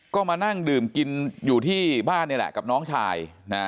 ก็มานั่งดื่มกินอยู่ที่บ้านนี่แหละกับน้องชาย